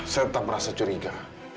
saya tetap merasa curiga